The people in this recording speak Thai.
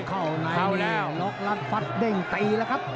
เข้าในนี่หลอกลักฟัดเด้งตีแล้วครับ